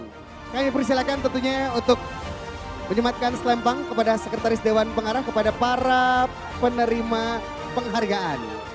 kami persilakan tentunya untuk menyematkan selempang kepada sekretaris dewan pengarah kepada para penerima penghargaan